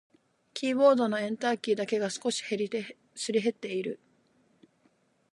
キーボードのエンターキーだけが少しすり減っている。